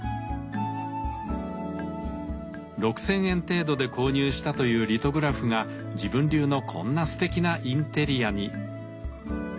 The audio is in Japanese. ６，０００円程度で購入したというリトグラフが自分流のこんなすてきなインテリアに。